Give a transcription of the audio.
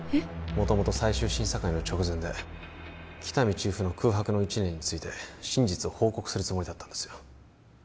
もともと最終審査会の直前で喜多見チーフの空白の一年について真実を報告するつもりだったんですよ